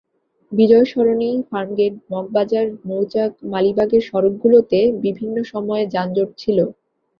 বিজয় সরণি, ফার্মগেট, মগবাজার, মৌচাক, মালিবাগের সড়কগুলোতে বিভিন্ন সময়ে যানজট ছিল।